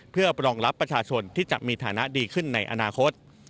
เพื่อปรองรับประชาชนที่จะมีฐานะดีขึ้นในอนาคต